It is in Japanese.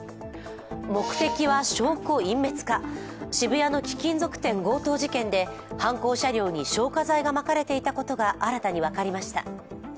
目的は証拠隠滅か、渋谷の貴金属店強盗事件で犯行車両に消火剤がまかれていたことが新たに分かりました。